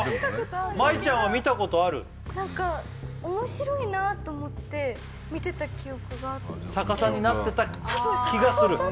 舞衣ちゃんは見たことある何かおもしろいなと思って見てた記憶があって逆さになってた気がする？